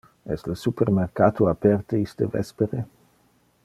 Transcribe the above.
Es le supermercato aperte iste vespere?